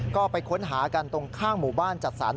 ก็ไปค้นหากันตรงข้างหมู่บ้านจัดสรร